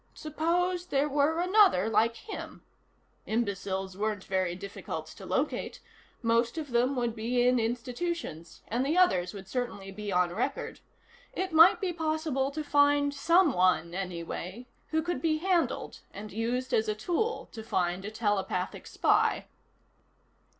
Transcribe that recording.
Suppose there were another like him. Imbeciles weren't very difficult to locate. Most of them would be in institutions, and the others would certainly be on record. It might be possible to find someone, anyway, who could be handled and used as a tool to find a telepathic spy.